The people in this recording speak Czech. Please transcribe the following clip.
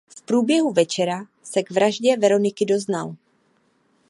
V průběhu večera se k vraždě Veroniky doznal.